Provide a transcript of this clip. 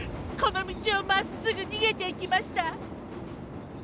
この道をまっすぐにげていきました。